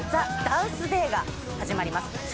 椣譴魴茲瓩訛膕髴ＴＨＥＤＡＮＣＥＤＡＹ」が始まります。